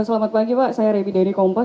selamat pagi pak saya revi dhani kompas